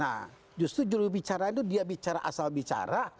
nah justru jurubicara itu dia bicara asal bicara